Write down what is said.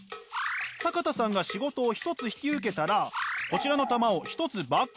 坂田さんが仕事を一つ引き受けたらこちらの玉を一つバッグに入れていきます。